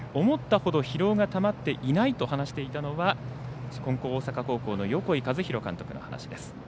思ったほど疲労がたまっていないと話していたのは金光大阪高校の横井一裕監督の話です。